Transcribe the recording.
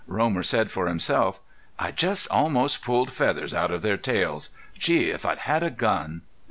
Romer said for himself: "I just almost pulled feathers out of their tails. Gee! if I'd had a gun!"